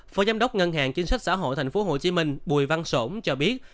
phó giám đốc ngân hàng chính sách xã hội thành phố hồ chí minh bùi văn sổn cho biết